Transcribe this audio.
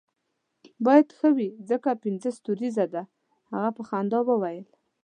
باید ښه وي ځکه پنځه ستوریزه دی، هغه په خندا وویل.